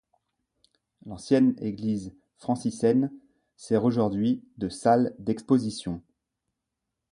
L'ancienne église franciscaine sert aujourd'hui de salle d'exposition.